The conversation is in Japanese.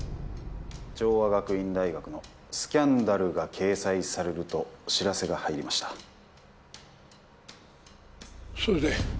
城和学院大学のスキャンダルが掲載されると知らせが入りましたそれで？